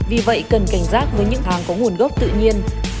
vì vậy cần cảnh giác với những hàng có nguồn gốc tự nhiên